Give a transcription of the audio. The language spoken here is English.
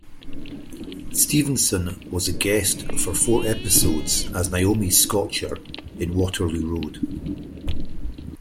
Stephenson was a guest for four episodes as Naomi Scotcher in "Waterloo Road".